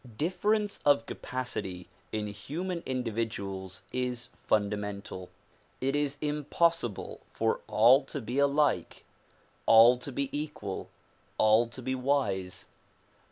Difference of capacity in human individuals is fundamental. It is impossible for all to be alike, all to be equal, all to be wise.